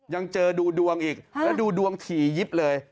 ยังเจอดูดวงอีกแล้วดูดวงถี่ยิบเลย